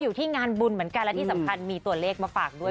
อยู่ที่งานบุญเหมือนกันและที่สำคัญมีตัวเลขมาฝากด้วย